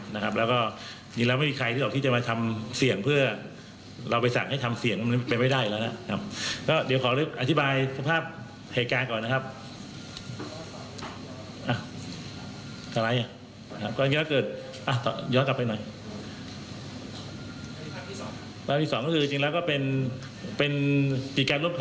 นะครับก็นี่แล้วไม่มีใครต้อง